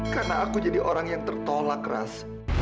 karena aku jadi orang yang tertolak ras